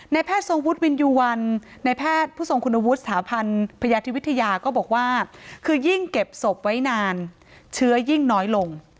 แพทย์ทรงวุฒิวินยูวันในแพทย์ผู้ทรงคุณวุฒิสถาพันธ์พยาธิวิทยาก็บอกว่าคือยิ่งเก็บศพไว้นานเชื้อยิ่งน้อยลง